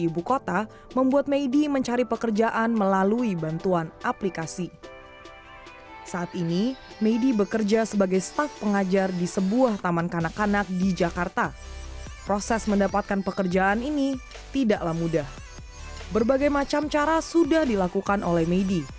berbagai macam cara sudah dilakukan oleh medi